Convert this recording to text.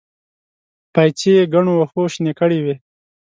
پايڅې يې ګڼو وښو شنې کړې وې.